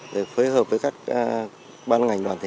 để phối hợp với các ban ngành đoàn thể